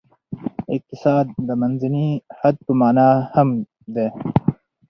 اقتصاد د منځني حد په معنا هم دی.